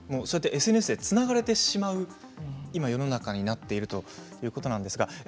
ＳＮＳでつながれてしまう世の中になっているということなんですね。